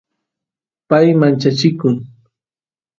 pay manchachikun